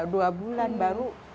dua bulan baru